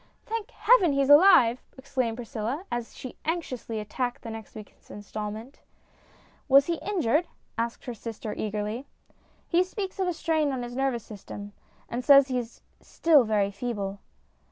" Thank heaven, he's alive !" exclaimed Priscilla, as she anxiously attacked the next week's instalment. " Was he injured ?" asked her sister eagerly. " He speaks of a strain on his nervous system, and says he is still very feeble."